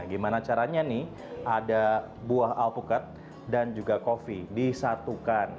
gimana caranya nih ada buah alpukat dan juga kopi disatukan